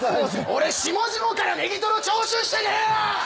俺下々からネギトロ徴収してねえよ！